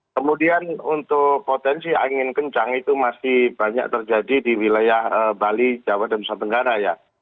kemudian untuk potensi angin kencang itu masih banyak terjadi di wilayah bali jawa dan nusa tenggara ya